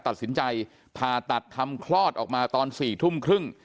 ตัดสินใจผ่าตัดทำคลอดออกมาตอน๔ทุ่มครึ่ง